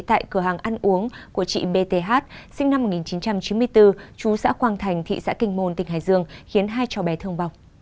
tại cửa hàng ăn uống của chị b t h sinh năm một nghìn chín trăm chín mươi bốn chú xã quang thành thị xã kinh môn tỉnh hải dương khiến hai cháu bé thương vọng